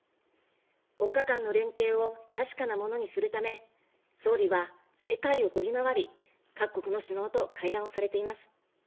国家間の連携を確かなものにするため、総理は世界を飛び回り、各国の首脳と会談をされています。